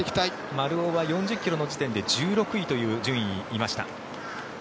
丸尾は４０ｋｍの時点で１６位という順位にいました。